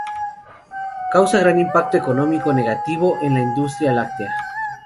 Causa gran impacto económico negativo en la industria láctea.